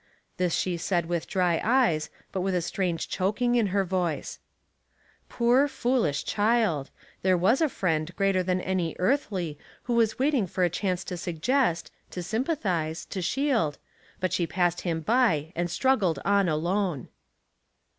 This she said with dry eyes, but with a strange choking in her voice. Foor, foolish child I There was a Friend 108 Household Puzzles greater than any earthly, who was 'Awaiting for a chance to suggest, to sympathize, to shield, but she passed Him by and struggled on alone.